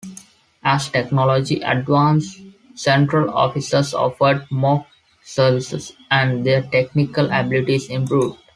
As technology advanced, central offices offered more services and their technical abilities improved.